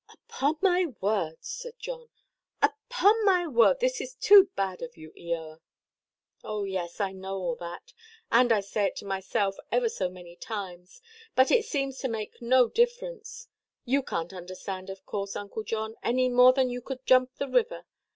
"Upon my word," said John, "upon my word, this is too bad of you, Eoa." "Oh yes, I know all that; and I say it to myself ever so many times. But it seems to make no difference. You canʼt understand, of course, Uncle John, any more than you could jump the river.